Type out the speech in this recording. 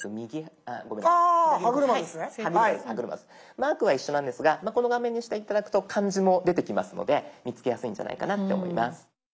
マークは一緒なんですがこの画面にして頂くと漢字も出てきますので見つけやすいんじゃないかなって思います。